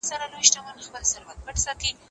ما د هغه د وینا تجزیه په پوره دقت وکړه.